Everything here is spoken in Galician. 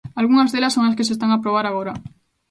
Algunhas delas son as que se están a aprobar agora.